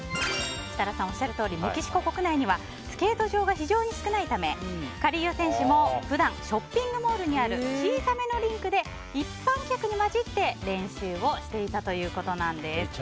設楽さん、おっしゃるとおりメキシコ国内にはスケート場が非常に少ないためカリーヨ選手も普段、ショッピングモールにある小さめのリンクで一般客に交じって練習をしていたということです。